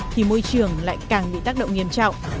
thì môi trường lại càng bị tác động nghiêm trọng